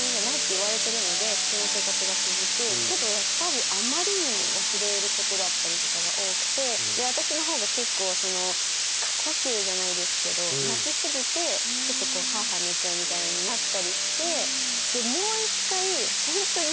言われてるので普通の生活が続くけどやっぱりあまりにも忘れることだったりとかが多くてで私の方が結構過呼吸じゃないですけど泣きすぎてちょっとハアハアなっちゃうみたいなのになったりしてでもう一回ほんとに。